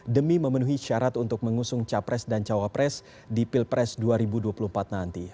demi memenuhi syarat untuk mengusung capres dan cawapres di pilpres dua ribu dua puluh empat nanti